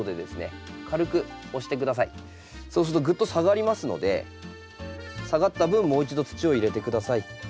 そうするとぐっと下がりますので下がった分もう一度土を入れて下さい。